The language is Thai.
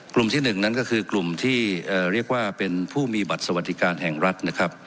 ที่หนึ่งนั้นก็คือกลุ่มที่เรียกว่าเป็นผู้มีบัตรสวัสดิการแห่งรัฐนะครับ